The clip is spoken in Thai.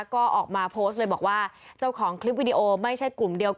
ก็ออกมาโพสต์เลยบอกว่าเจ้าของคลิปวิดีโอไม่ใช่กลุ่มเดียว